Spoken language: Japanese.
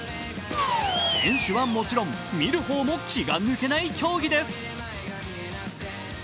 選手はもちろん、見る方も気が抜けない競技です。